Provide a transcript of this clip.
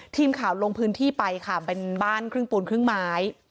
ทีมข่าวลงพื้นที่ไปค่ะเป็นบ้านครึ่งปูนครึ่งไม้